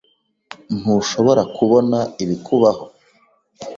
Ntushobora kubona ibikubaho?